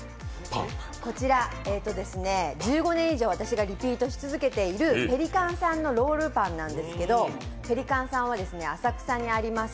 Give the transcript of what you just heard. こちら、１５年以上私がリピートし続けているペリカンさんのロールパンなんですけどペリカンさんは浅草にあります